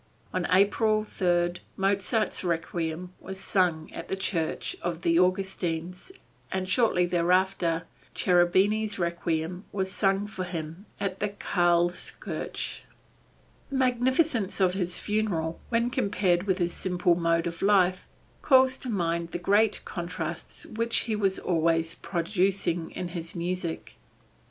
On April 3, Mozart's Requiem was sung at the church of the Augustines, and shortly thereafter, Cherubini's Requiem was sung for him at the Karlskirche. The magnificence of his funeral, when compared with his simple mode of life, calls to mind the great contrasts which he was always producing in his music.